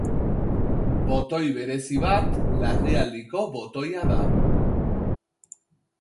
Botoi berezi bat larrialdiko botoia da.